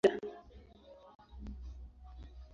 Aliendelea kutunga mashairi na kufundisha.